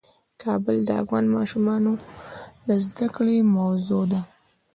کابل د افغان ماشومانو د زده کړې موضوع ده.